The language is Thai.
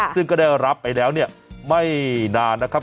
ซึ่งก็ได้รับไปแล้วเนี่ยไม่นานนะครับ